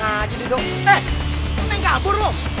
kasih pelajaran nih duh